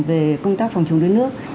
về công tác phòng chống đuối nước